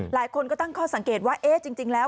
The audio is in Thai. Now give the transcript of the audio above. หลายคนก็ตั้งข้อสังเกตว่าเอ๊ะจริงแล้ว